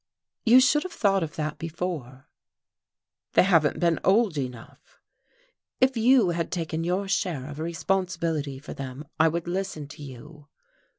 "You should have thought of that before." "They haven't been old enough." "If you had taken your share of responsibility for them, I would listen to you."